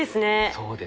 そうですね。